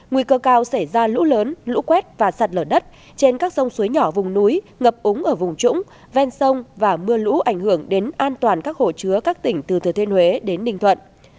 nguy cơ cao xảy ra lũ lớn lũ quét và sạt lở đất trên các sông suối nhỏ vùng núi ngập úng ở vùng trũng ven sông và mưa lũ ảnh hưởng đến an toàn các hồ chứa các tỉnh từ thừa thiên huế đến ninh thuận